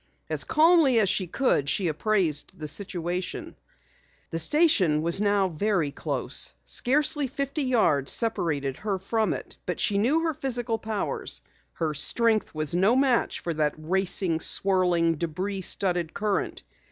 As calmly as she could she appraised the situation. The station now was very close. Scarcely fifty yards separated her from it, but she knew her physical powers. Her strength was no match for that racing, swirling, debris studded current.